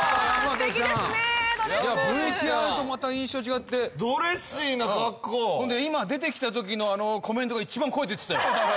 ステキですねドレスＶＴＲとまた印象違ってドレッシーな格好で今出てきたときのコメントが一番声出てたよ